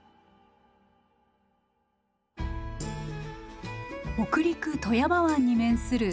北陸・富山湾に面する富山市。